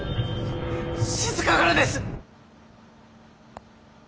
しずかからです！